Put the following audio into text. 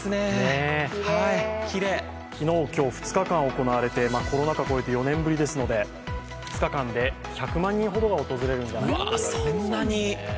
昨日今日２日間行われてコロナ禍を超えて４年ぶりですので、２日間で１００万人ほどが訪れるのではないかと。